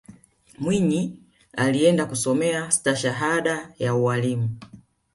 mwinyi alienda kusomea stashahada ya ualimu